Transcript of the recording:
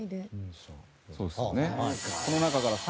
そうですよね。